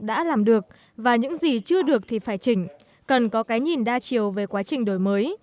đã làm được và những gì chưa được thì phải chỉnh cần có cái nhìn đa chiều về quá trình đổi mới